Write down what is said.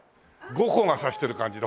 後光が差してる感じの。